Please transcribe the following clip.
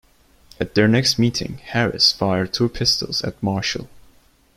At their next meeting, Harris fired two pistols at Marshall.